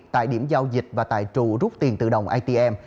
tại điểm giao dịch và tại trụ rút tiền tự động atm